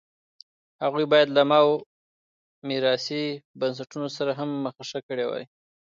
هغوی باید له ماوو میراثي بنسټونو سره هم مخه ښه کړې وای.